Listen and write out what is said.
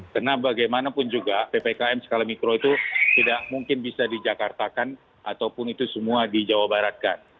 karena bagaimanapun juga ppkm skala mikro itu tidak mungkin bisa dijakartakan ataupun itu semua di jawa baratkan